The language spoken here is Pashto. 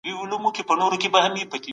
روښانه فکر پرمختګ نه خرابوي.